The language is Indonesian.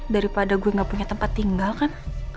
daripada gue gak punya tempat tinggal kan